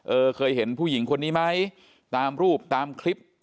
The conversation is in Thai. เออเคยเห็นผู้หญิงคนนี้ไหมตามรูปตามคลิป